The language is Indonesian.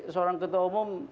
seorang ketua umum